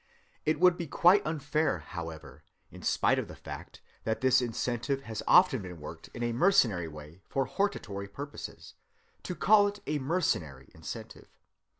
It would be quite unfair, however, in spite of the fact that this incentive has often been worked in a mercenary way for hortatory purposes, to call it a mercenary incentive.